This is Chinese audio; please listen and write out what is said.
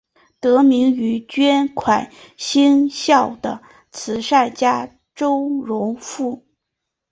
得名于捐款兴校的慈善家周荣富。